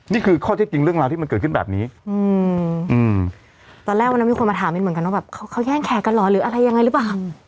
นี่คือข้อเท็จจริงเรื่องราวที่มันเกิดขึ้นแบบนี้ตอนแรกวันนั้นมีคนมาถามมิ้นเหมือนกันว่าแบบเขาแย่งแขกกันเหรอหรืออะไรยังไงหรือเปล่า